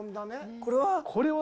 これは？